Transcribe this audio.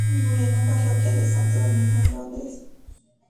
Murió en la Parroquia de Santo Domingo en Londres.